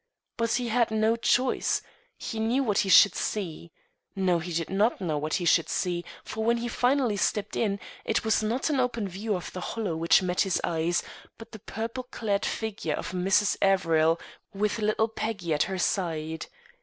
But he had no choice. He knew what he should see No, he did not know what he should see, for when he finally stepped in, it was not an open view of the Hollow which met his eyes, but the purple clad figure of Mrs. Averill with little Peggy at her side.